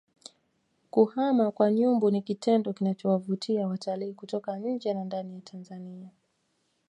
kuhama kwa nyumbu ni kitendo kinachovutia watalii kutoka nje na ndani ya Tanzania